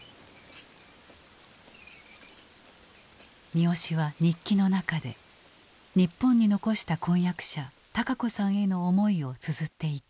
三好は日記の中で日本に残した婚約者孝子さんへの思いをつづっていた。